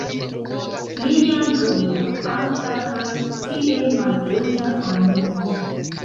Lia nobla, alta kaj tiel malĝoja animo.